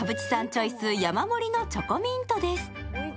チョイス、山盛りのチョコミントです。